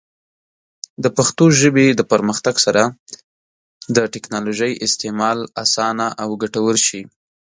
د پښتو ژبې د پرمختګ سره، د ټیکنالوجۍ استعمال اسانه او ګټور شي.